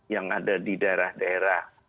yang ada di daerah daerah